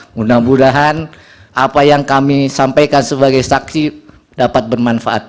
mudah mudahan apa yang kami sampaikan sebagai saksi dapat bermanfaat